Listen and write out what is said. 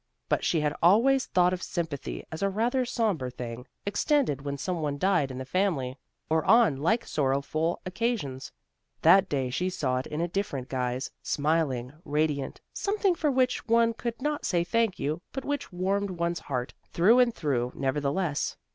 But she had always thought of sympathy as a rather sombre thing, extended when some one died in the family or on like sorrowful occasions. That day she saw it in a different guise, smiling, radiant, something for which one could not say thank you, but which warmed one's heart through and through, nevertheless.